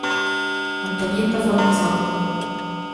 Antonietta Formisano